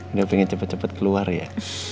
nggak pengen cepet cepet keluar ya